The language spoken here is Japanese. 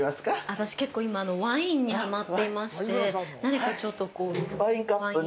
私、結構今ワインにハマっていまして何かちょっと、こう。